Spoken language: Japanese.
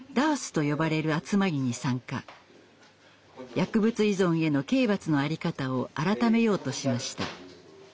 薬物依存への刑罰の在り方を改めようとしました。